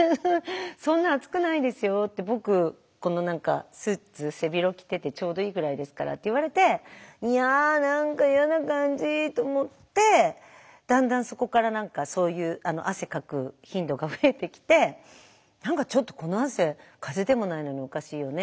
「僕このスーツ背広着ててちょうどいいぐらいですから」って言われて「いや何か嫌な感じ」と思ってだんだんそこから何かそういう汗かく頻度が増えてきて何かちょっとこの汗風邪でもないのにおかしいよねっていう感じで。